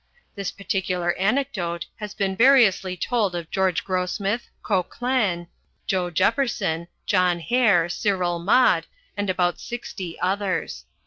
This particular anecdote has been variously told of George Grossmith, Coquelin, Joe Jefferson, John Hare, Cyril Maude, and about sixty others.